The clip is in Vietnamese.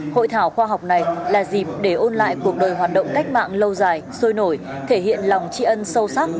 hội thảo khoa học này là dịp để ôn lại cuộc đời hoạt động cách mạng lâu dài sôi nổi thể hiện lòng tri ân sâu sắc